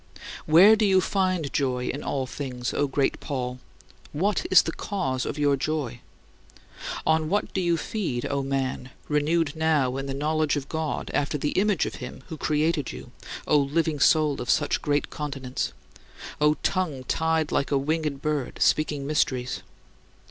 " 40. Where do you find joy in all things, O great Paul? What is the cause of your joy? On what do you feed, O man, renewed now in the knowledge of God after the image of him who created you, O living soul of such great continence O tongue like a winged bird, speaking mysteries?